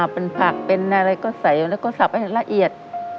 เป็นผักเป็นอะไรก็ใส่อยู่แล้วก็สับให้ละเอียด